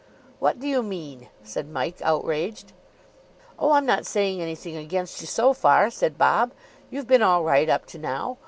"What do you mean?" said Mike, outraged. "Oh, I'm not saying anything against you so far," said Bob. "You've been all right up to now.